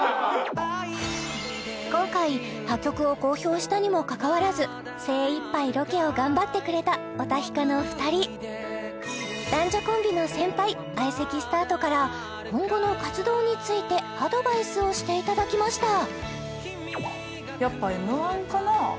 今回破局を公表したにもかかわらず精いっぱいロケを頑張ってくれたおたひかのお二人男女コンビの先輩相席スタートから今後の活動についてアドバイスをしていただきました